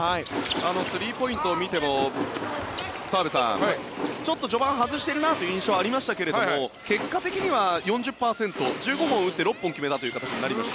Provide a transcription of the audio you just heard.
スリーポイントを見ても澤部さん、ちょっと序盤外しているなという印象がありましたが結果的には４０％１５本打って６本決めたという形になりました。